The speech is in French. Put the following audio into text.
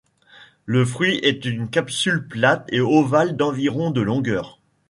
Le fruit est une capsule plate et ovale d'environ de longueur.